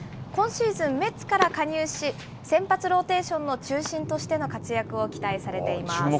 今シーズン、メッツから加入し、先発ローテーションの中心としての活躍を期待されています。